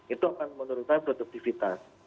itu akan menurut saya produktivitas